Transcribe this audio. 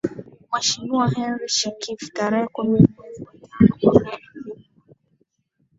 Mheshimiwa Henry Shekifu tarehe kumi mwezi wa tano mwaka elfu mbili na kumi